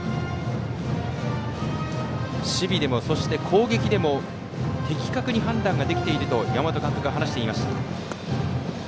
守備でも、攻撃でも的確に判断ができていると山本監督は話していました。